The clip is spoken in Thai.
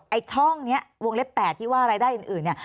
ไอ้ช่องนี้วงเล็บ๘ที่ว่ารายได้อื่นเนี่ย